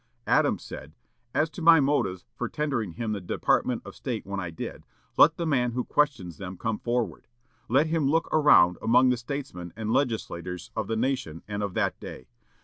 Adams said, "As to my motives for tendering him the Department of State when I did, let the man who questions them come forward. Let him look around among the statesmen and legislators of the nation and of that day.